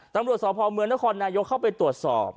ตำรวจสพเมืองนครนายกเข้าไปตรวจสอบ